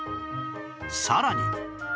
さらに